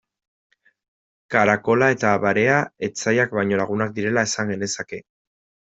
Karakola eta barea etsaiak baino lagunak direla esan genezake.